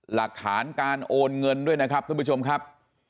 หลักฐานการโอนเงินด้วยนะครับท่านผู้ชมครับ